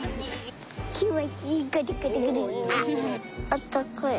あったかい。